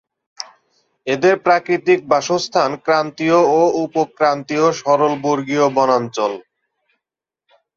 এদের প্রাকৃতিক বাসস্থান ক্রান্তীয় ও উপক্রান্তীয় সরলবর্গীয় বনাঞ্চল।